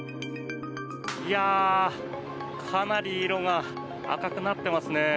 かなり色が赤くなっていますね。